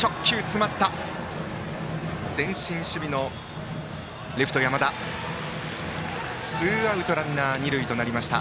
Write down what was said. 前進守備のレフトの山田がつかんでツーアウトランナー、二塁となりました。